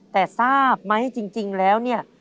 แต่ทราบไหมจริงแล้วเนี่ย